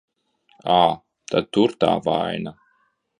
Ā, tad tur tā vaina.